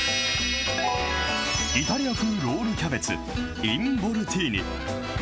イタリア風ロールキャベツ、インボルティーニ。